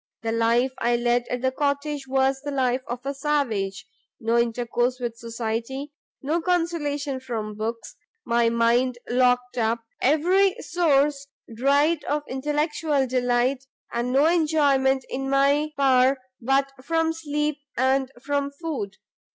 the life I led at the cottage was the life of a savage; no intercourse with society, no consolation from books; my mind locked up, every source dried of intellectual delight, and no enjoyment in my power but from sleep and from food.